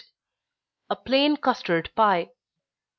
258. _A Plain Custard Pie.